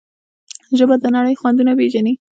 ژبه د نړۍ خوندونه پېژني.